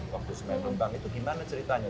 fokus menurut bang itu gimana ceritanya